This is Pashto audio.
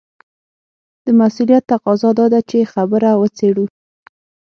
د مسووليت تقاضا دا ده چې خبره وڅېړو.